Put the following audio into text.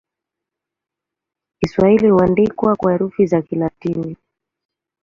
Kiswahili huandikwa leo kwa herufi za Kilatini.